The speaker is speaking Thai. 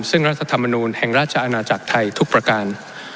ซึ่งรัฐธรรมนูลแห่งราชอาณาจักรไทยทุกประการ